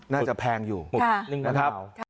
น่าจะแพงอยู่หมึกนึงมันเบา